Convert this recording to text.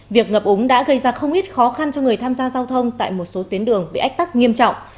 việc ngập úng đã gây ra không ít khó khăn cho người tham gia giao thông tại một số tuyến đường bị ách tắc nghiêm trọng